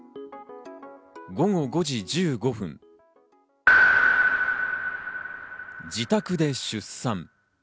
午後５時１５分、自宅で出産。